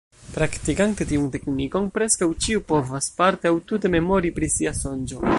Praktikante tiun teknikon, preskaŭ ĉiu povas parte aŭ tute memori pri sia sonĝo.